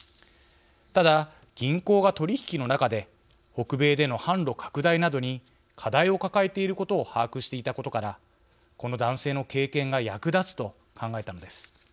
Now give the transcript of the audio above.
ただ銀行が取り引きの中で北米での販路拡大などに課題を抱えていることを把握していたことからこの男性の経験が役立つと考えたのです。